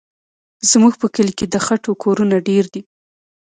زموږ په کلي کې د خټو کورونه ډېر دي.